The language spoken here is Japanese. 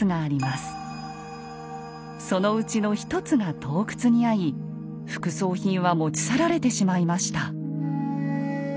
そのうちの一つが盗掘にあい副葬品は持ち去られてしまいました。